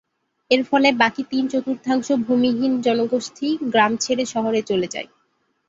এর ফলে বাকি তিন-চতুর্থাংশ ভূমিহীন জনগোষ্ঠী গ্রাম ছেড়ে শহরে চলে যায়।